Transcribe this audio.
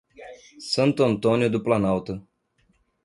Santo Antônio do Planalto